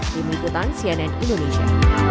di mengikutan cnn indonesia